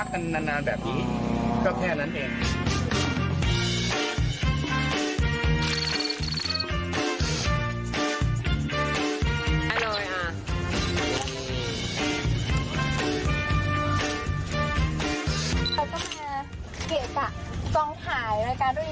ก็เยอะนะแต่พี่เขาไม่ได้ไปคิดทวงบุญคุณ